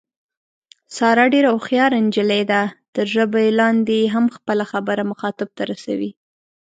ساره ډېره هوښیاره نجیلۍ ده، تر ژبه لاندې هم خپله خبره مخاطب ته رسوي.